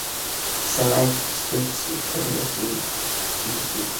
سلایډ په سټیج ایښودل کیږي.